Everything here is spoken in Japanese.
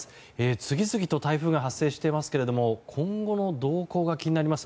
次々と台風が発生していますが今後の動向が気になります。